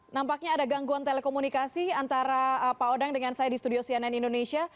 nampaknya ada gangguan telekomunikasi antara pak odang dengan saya di studio cnn indonesia